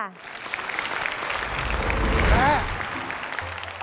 แน๊ะ